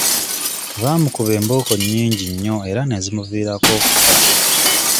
Baamukuba embooko nnyingi nnyo era ne zimuviirako okufa.